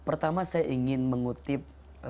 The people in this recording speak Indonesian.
pertama saya ingin mengutip